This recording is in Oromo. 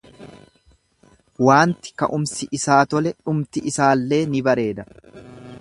Waanti ka'umsi isaa tole dhumti isaallee ni bareeda.